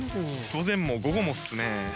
午前も午後もっすね。